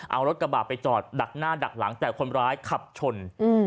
เอารถกระบาดไปจอดดักหน้าดักหลังแต่คนร้ายขับชน